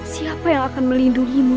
siapa yang akan melindungimu